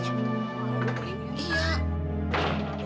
saya ingin menjunjungi waktu ke empat